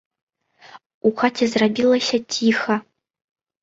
У хаце зрабілася ціха.